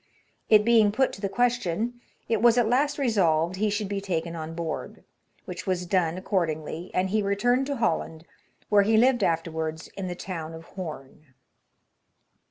It being put to the question, it was at last resolved he should be taken on board, which was done accordingly, and he returned to Holland, where he lived afterwards in the town of Horn."